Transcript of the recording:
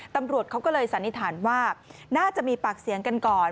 ตำรวจเขาก็เลยสันนิษฐานว่าน่าจะมีปากเสียงกันก่อน